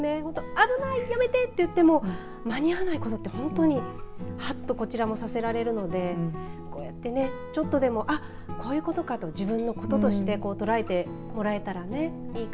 危ない、やめてって言っても間に合わないときって本当にはっと、こちらもさせられるのでこうやって、ちょっとでもこういうことかと自分のこととして捉えてもらえたらね。